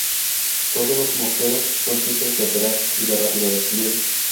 Todos los morteros son simples de operar y de rápido despliegue.